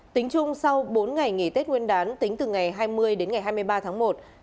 tính chung sau bốn ngày nghỉ tết nguyên đán tính từ ngày hai mươi đến ngày hai mươi ba tháng một